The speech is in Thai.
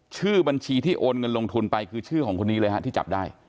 ชื่อบัญชีที่โอนเงินลงทุนไปคือชื่อของคนนี้เลยฮะที่จับได้